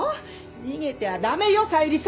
逃げては駄目よさゆりさん！